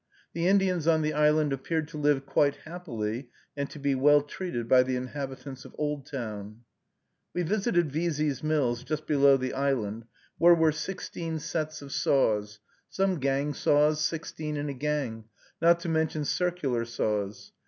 The Indians on the island appeared to live quite happily and to be well treated by the inhabitants of Oldtown. We visited Veazie's mills, just below the island, where were sixteen sets of saws, some gang saws, sixteen in a gang, not to mention circular saws.